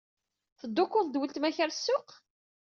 Teddukkleḍ d weltma-k ɣer ssuq?